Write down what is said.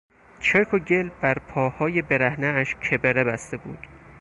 چرک و گل بر پاهای برهنهاش کبره بسته بود.